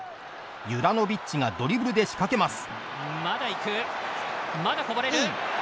ユラノビッチがドリブルで仕掛けます。